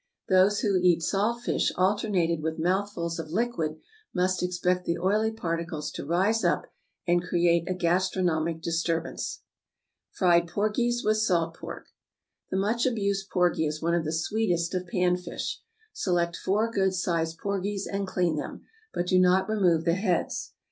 Those who eat salt fish alternated with mouthfuls of liquid must expect the oily particles to rise up, and create a gastronomic disturbance. =Fried Porgies with Salt Pork.= The much abused porgy is one of the sweetest of pan fish. Select four good sized porgies, and clean them, but do not remove the heads.